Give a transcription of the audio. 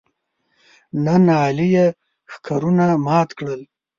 نن علي یې ښکرونه مات کړل.